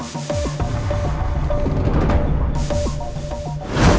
aku merasa kacau sama dia